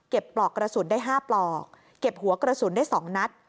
ปลอกกระสุนได้๕ปลอกเก็บหัวกระสุนได้๒นัด